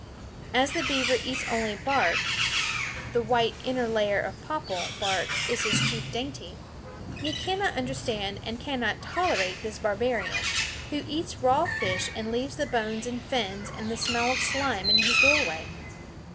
As the beaver eats only bark the white inner layer of "popple" bark is his chief dainty he cannot understand and cannot tolerate this barbarian, who eats raw fish and leaves the bones and fins and the smell of slime in his doorway.